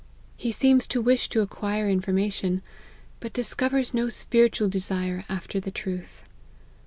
He seems to wish to acquire information, but discovers 'no spiritual desire after the truth."